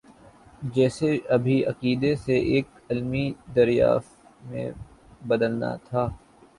جسے ابھی عقیدے سے ایک علمی دریافت میں بدلنا تھا۔